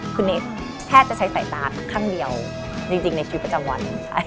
คุณเนสแทบจะใช้สายตาข้างเดียวจริงในชีวิตประจำวัน